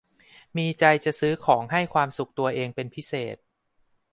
มีใจจะซื้อของให้ความสุขตัวเองเป็นพิเศษ